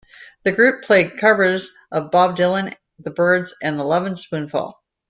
The group played covers of Bob Dylan, the Byrds, and the Lovin' Spoonful.